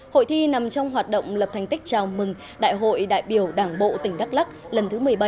hội thi nằm trong hoạt động lập thành tích chào mừng đại hội đại biểu đảng bộ tỉnh đắk lắc lần thứ một mươi bảy